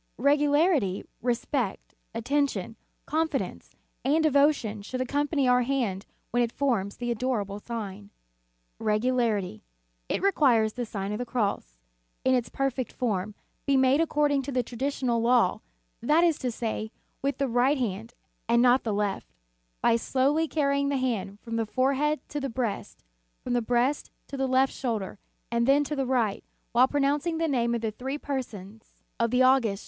Regularity, respect, attention, confidence, and devotion should accompany our hand when it forms the adorable sign. Regularity. It requires that the Sign of the Cross, in its perfect form, be made accord ing to the traditional law, that is to say, with the right hand and not the left; by slowly carrying the hand from the forehead to the breast, from the breast to the left shoulder, and then to the right, while pronouncing the name of the three persons of the august In the Nineteenth Century.